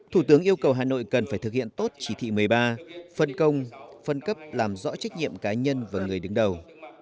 thủ tướng yêu cầu hà nội cần phải thực hiện tốt chỉ thị một mươi ba phân công phân cấp làm rõ trách nhiệm cá nhân và người đứng đầu